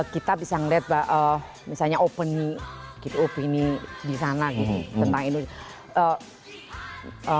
kita bisa melihat bahwa misalnya opening gitu opini disana gitu tentang indonesia